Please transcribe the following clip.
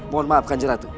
mohon maaf kanjeng ratu